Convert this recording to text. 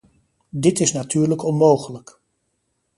Dit is natuurlijk onmogelijk.